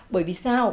bởi vì sao